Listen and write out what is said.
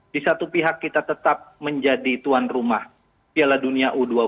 di satu pihak kita tetap menjadi tuan rumah piala dunia u dua puluh